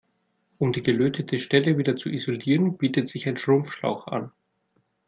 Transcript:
Um die gelötete Stelle wieder zu isolieren, bietet sich ein Schrumpfschlauch an.